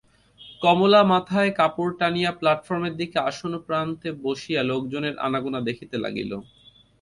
কমলা মাথায় কাপড় টানিয়া প্ল্যাটফর্মের দিকের আসনপ্রান্তে বসিয়া লোকজনের আনাগোনা দেখিতে লাগিল।